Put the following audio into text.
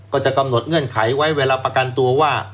ก็จะกำหนดเงื่อนไขไว้เวลาประกันตัวว่า